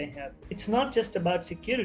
pada saat ini